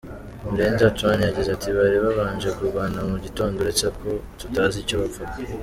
Murenzi Antoine yagize ati “Bari babanje kurwana mu gitondo uretse ko tutazi icyo bapfaga.